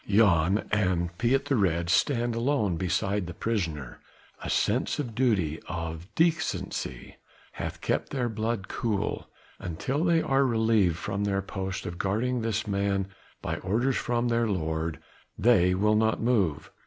Jan and Piet the Red stand alone beside the prisoner: a sense of duty, of decency hath kept their blood cool. Until they are relieved from their post of guarding this man by orders from their lord, they will not move.